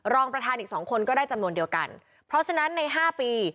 รองประธานอีกสองคนก็ได้จำนวนเดียวกันเพราะฉะนั้นในห้าปี